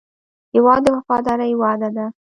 هېواد د وفادارۍ وعده ده.